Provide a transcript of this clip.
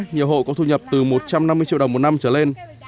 nhiều hộ có thu nhập từ một trăm năm mươi triệu đồng một năm trở lên